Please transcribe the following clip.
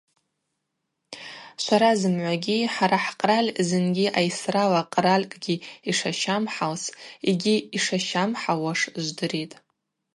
Швара зымгӏвагьи хӏара хӏкъраль зынгьи айсрала къралькӏгьи йшащамхӏалс йгьи йшащымхӏалуаш жвдыритӏ.